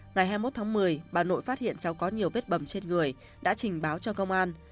ngày hai mươi một tháng một mươi bà nội phát hiện cháu có nhiều vết bầm trên người đã trình báo cho công an